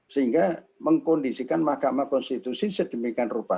sehingga mengkondisikan mahkamah konstitusi sedemikian rupa